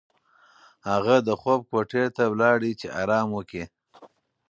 هغه د خوب کوټې ته لاړه چې ارام وکړي.